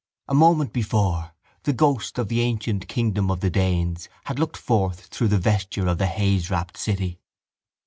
A moment before the ghost of the ancient kingdom of the Danes had looked forth through the vesture of the hazewrapped city.